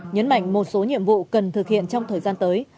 nhấn mạnh một số nhiệm vụ cần thực hiện trong thời gian tới